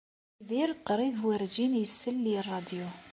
Yidir qrib werjin isell i ṛṛadyu.